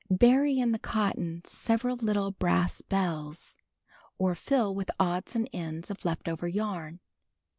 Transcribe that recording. Bury in the cotton several little brass bells. Or fill with odds and ends of left over yarn.